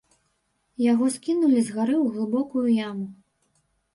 Яго скінулі з гары ў глыбокую яму.